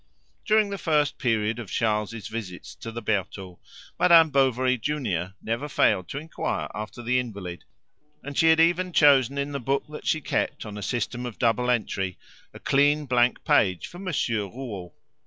During the first period of Charles's visits to the Bertaux, Madame Bovary junior never failed to inquire after the invalid, and she had even chosen in the book that she kept on a system of double entry a clean blank page for Monsieur Rouault.